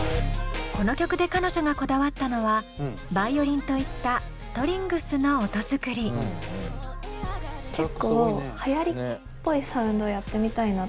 この曲で彼女がこだわったのはバイオリンといったトラック数多いね。